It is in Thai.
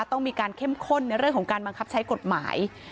ต้องมีการเข้มข้นในเรื่องของการบังคับใช้กฎหมาย